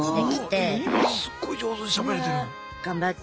今すっごい上手にしゃべれてる。